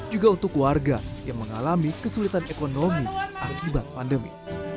juga untuk warga yang mengalami kesulitan ekonomi akibat pandemi